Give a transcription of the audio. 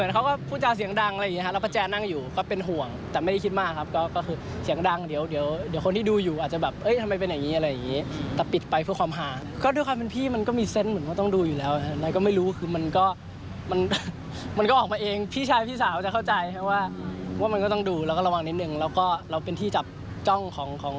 ด้วยความที่เขาเป็นเด็กแบบเด็กปลอยเต็มนะครับเป็นเด็กปลอยเต็มนะครับเป็นเด็กปลอยเต็มนะครับเป็นเด็กปลอยเต็มนะครับเป็นเด็กปลอยเต็มนะครับเป็นเด็กปลอยเต็มนะครับเป็นเด็กปลอยเต็มนะครับเป็นเด็กปลอยเต็มนะครับเป็นเด็กปลอยเต็มนะครับเป็นเด็กปลอยเต็มนะครับเป็นเด็กปลอยเต็มนะครับเป็นเด็กปลอยเต็มนะครับเป